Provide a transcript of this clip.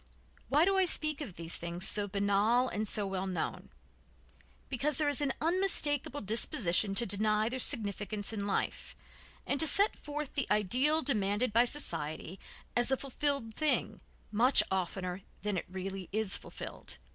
Why do I speak of these things, so banal and so well known? Because there is an unmistakable disposition to deny their significance in life, and to set forth the ideal demanded by society as a fulfilled thing much oftener than it really is fulfilled.